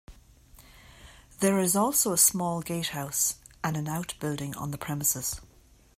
There is also a small gatehouse and an outbuilding on the premises.